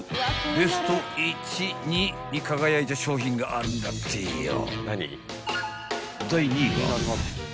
ベスト１・２に輝いた商品があるんだってよ］